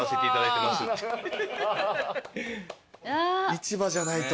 市場じゃないと。